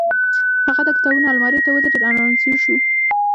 هغه د کتابونو المارۍ ته ودرېد او رنځور شو